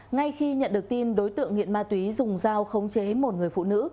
ngay khi nhận được tin đối tượng nghiện ma túy dùng dao khống chế một người phụ nữ